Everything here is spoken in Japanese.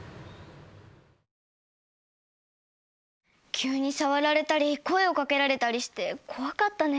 急にさわられたり声をかけられたりしてこわかったね。